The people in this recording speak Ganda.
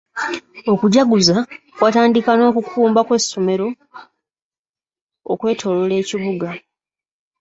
Okujjaguza kwatandika n'okukumba kw'essomero okwetoloola ekibuga.